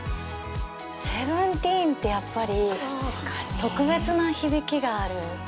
セブンティーンってやっぱり特別な響きがある。